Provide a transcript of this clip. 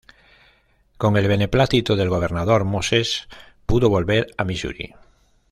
Con el beneplácito del gobernador, Moses pudo volver a Misuri.